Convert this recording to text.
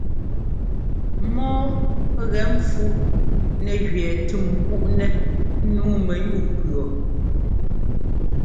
Mɔ́ɔ gɛ pfú nɛgẅɛɛ tʉ́m gúꞌnɛ́ nǔu mɛyúu-pʉɔ.